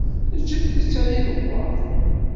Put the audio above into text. Ǧǧet-tt ad idewwer.